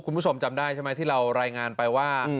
คุณผู้ชมจำได้ใช่ไหมที่เรารายงานไปว่า